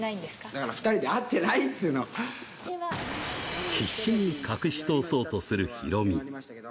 だから２人で会ってないって必死に隠し通そうとするヒロミ。